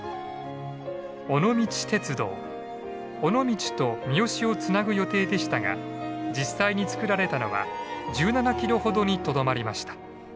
尾道と三次をつなぐ予定でしたが実際に造られたのは１７キロほどにとどまりました。